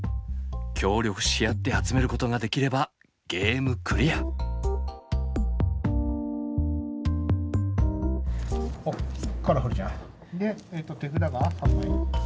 協力し合って集めることができればゲームクリア！でえと手札が３枚？